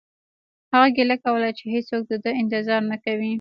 هغه ګیله کوله چې هیڅوک د ده انتظار نه کوي